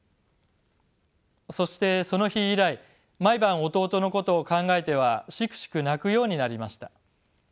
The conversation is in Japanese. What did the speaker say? そしてその日以来毎晩弟のことを考えてはシクシク泣くようになりました。